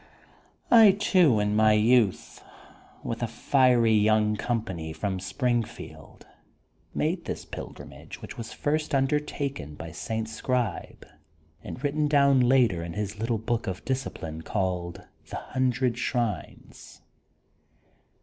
I, too, in tnj youth, with a fiery young company from Springfield made tiiis pil 128 THE GOLDEN BOOK OF SPRINGFIELD grimage which was first undertaken by St. Scribe and written down later in his little book of Discipline called: *The Hundred Shrines.'